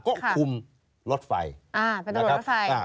ก็คุมรถไฟอ่าเป็นตำรวจรถไฟอ่า